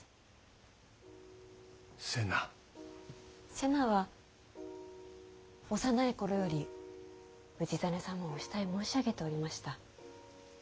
瀬名は幼い頃より氏真様をお慕い申し上げておりました。